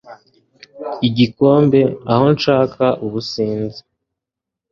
igikombe, aho nshaka ubusinzi